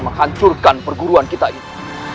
menghancurkan perguruan kita ini